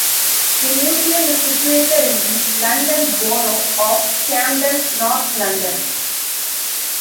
The museum is situated in the London Borough of Camden, North London.